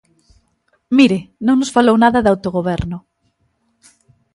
Mire, non nos falou nada de autogoberno.